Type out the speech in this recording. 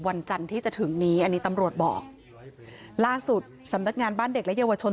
วันจันทร์ที่จะถึงนี้อันนี้ตำรวจบอกล่าสุดสำนักงานบ้านเด็กและเยาวชน